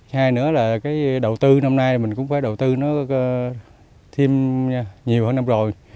hai nữa là cái đầu tư năm nay mình cũng phải đầu tư nó thêm nhiều hơn năm rồi